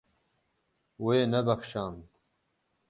Wê nebexşand.